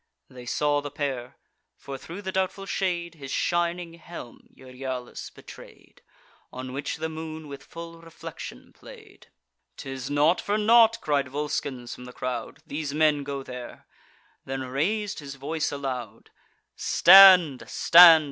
They saw the pair; for, thro' the doubtful shade, His shining helm Euryalus betray'd, On which the moon with full reflection play'd. "'Tis not for naught," cried Volscens from the crowd, "These men go there;" then rais'd his voice aloud: "Stand! stand!